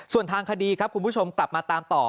ส่วนทางคดีครับคุณผู้ชมกลับมาตามต่อ